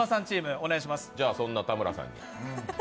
じゃあそんな田村さんに。